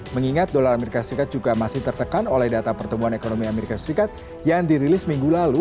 mengingat dolar as juga masih tertekan oleh data pertemuan ekonomi as yang dirilis minggu depan